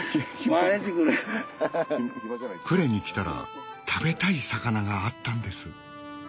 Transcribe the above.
呉に来たら食べたい魚があったんです